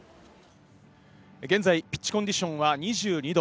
現在、ピッチコンディションは２２度。